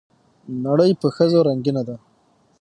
نړۍ په ښځو رنګينه ده